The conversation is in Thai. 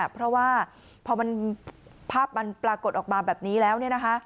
เพราะว่าพอภาพมันปรากฏออกมาแบบนี้แล้ว